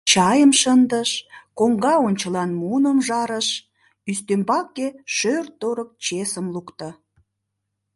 Чайым шындыш, коҥга ончылан муным жарыш, ӱстембаке шӧр-торык чесым лукто.